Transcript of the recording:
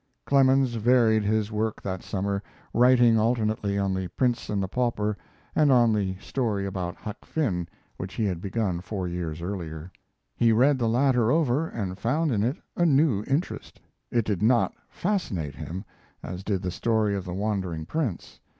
Clemens varied his work that summer, writing alternately on 'The Prince and the Pauper' and on the story about 'Huck Finn', which he had begun four years earlier. He read the latter over and found in it a new interest. It did not fascinate him, as did the story of the wandering prince.